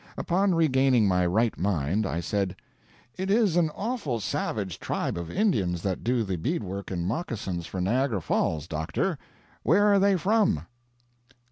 Upon regaining my right mind, I said: "It is an awful savage tribe of Indians that do the beadwork and moccasins for Niagara Falls, doctor. Where are they from?"